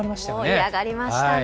盛り上がりましたね。